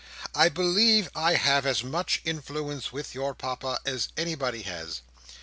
I believe I have as much influence with your Papa as anybody has.